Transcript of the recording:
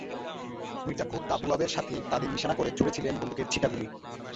মির্জা খুব দাব রোয়াবের সাথে তাদের নিশানা করে ছুড়েছিলেন বন্দুকের ছিটা গুলি।